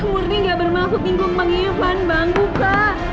murni enggak bermaksud bingung bang ipan bang buka